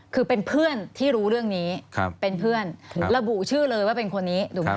คือเป็นเพื่อนที่รู้เรื่องนี้เป็นเพื่อนระบุชื่อเลยว่าเป็นคนนี้ถูกไหม